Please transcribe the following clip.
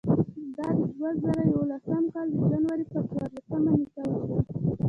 دا د دوه زره یولسم کال د جنورۍ پر څوارلسمه نېټه وشوه.